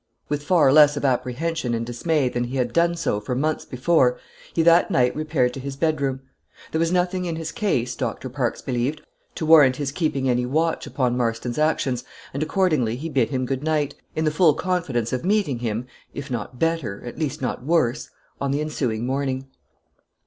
With far less of apprehension and dismay than he had done so for months before, he that night repaired to his bedroom. There was nothing in his case, Doctor Parkes believed, to warrant his keeping any watch upon Marston's actions, and accordingly he bid him good night, in the full confidence of meeting him, if not better, at least not worse, on the ensuing morning.